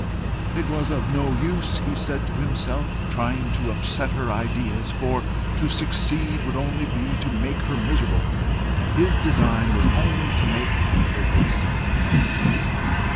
It was of no use, he said to himself, trying to upset her ideas, for to succeed would only be to make her miserable, and his design was to make the race happy.